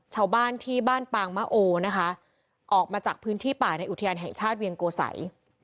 ชาวบ้านที่บ้านปางมะโอนะคะออกมาจากพื้นที่ป่าในอุทยานแห่งชาติเวียงโกสัย